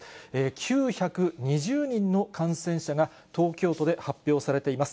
９２０人の感染者が東京都で発表されています。